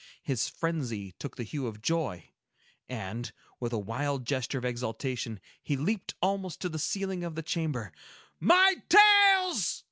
His frenzy took the hue of joy, and, with a wild gesture of exultation, he leaped almost to the ceiling of the chamber. "My tales!"